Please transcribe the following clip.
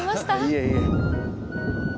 いえいえ。